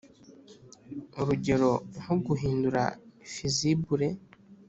Urugero nko guhindura fizibule